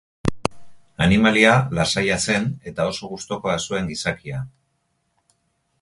Animalia lasaia zen eta oso gustukoa zuen gizakia.